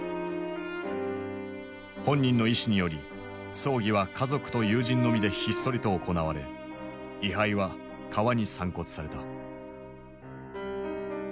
本人の遺志により葬儀は家族と友人のみでひっそりと行われ遺灰は川に散骨された。